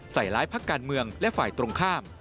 ใส่ร้ายพักการเมืองและฝ่ายตรงข้าม